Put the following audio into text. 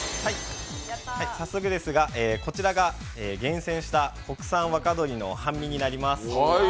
早速ですが、こちらが厳選した国産若鶏の半身になります。